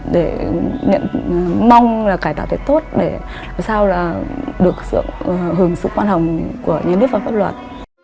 để mong là cải tạo tốt để được hưởng sự quan hồng của nhà nước và pháp luật